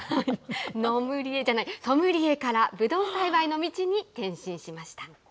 ノムリエじゃない、ソムリエからぶどう栽培の道に転身しました。